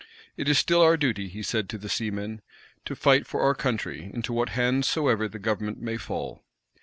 "It is still our duty," he said to the seamen, "to fight for our country, into what hands soever the government may fall."